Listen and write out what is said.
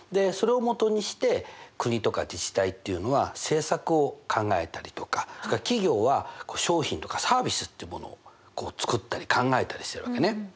それをもとにして国とか自治体っていうのは政策を考えたりとかそれから企業は商品とかサービスっていうものを作ったり考えたりしてるわけね。